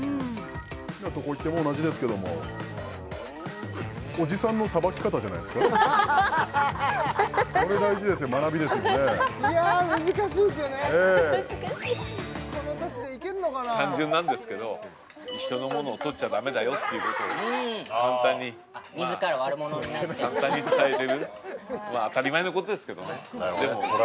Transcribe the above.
どこ行っても同じですけどもおじさんのさばき方じゃないですかこれ大事ですよ学びですよねいや難しいですよねええ単純なんですけど人の物をとっちゃダメだよっていうことを簡単に自ら悪者になって簡単に伝えれるまあ当たり前のことですけどね